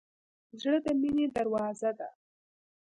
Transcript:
زړه د مینې دروازه ده.